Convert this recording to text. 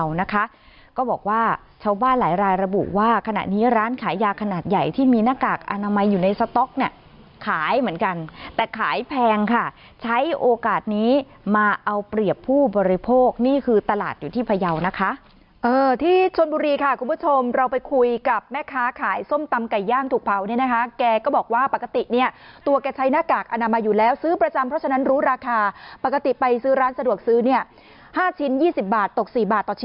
สต๊อกเนี้ยขายเหมือนกันแต่ขายแพงค่ะใช้โอกาสนี้มาเอาเปรียบผู้บริโภคนี่คือตลาดอยู่ที่พยาวนะคะเอ่อที่ชนบุรีค่ะคุณผู้ชมเราไปคุยกับแม่ค้าขายส้มตำไก่ย่างถูกเผาเนี้ยนะคะแกก็บอกว่าปกติเนี้ยตัวแกใช้หน้ากากอนามัยอยู่แล้วซื้อประจำเพราะฉะนั้นรู้ราคาปกติไปซื้อร้านสะดวกซื้อเนี้ยห้าช